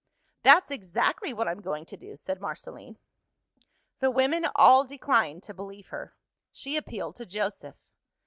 "That's exactly what I'm going to do!" said Marceline. The women all declined to believe her. She appealed to Joseph.